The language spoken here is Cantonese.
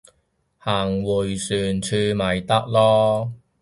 行迴旋處咪得囉